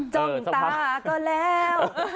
จ้องตาก็แล้ว